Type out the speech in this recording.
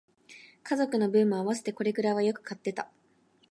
家族の分も合わせてこれくらいはよく買ってた